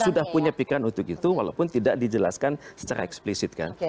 sudah punya pikiran untuk itu walaupun tidak dijelaskan secara eksplisit kan